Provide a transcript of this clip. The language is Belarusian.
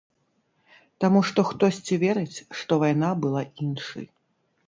Таму што хтосьці верыць, што вайна была іншай.